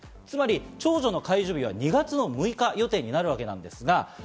つまり長女の解除日が２月の６日予定になるわけなんです。